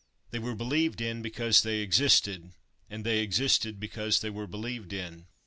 They were believed in because they existed; and they existed because they were believed in.